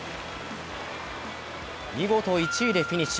見事１位でフィニッシュ。